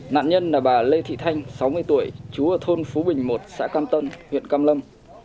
nạn nhân là bà lê thị thanh sáu mươi tuổi chú ở thôn phú bình một xã cam tân huyện cam lâm